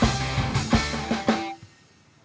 eh udah dong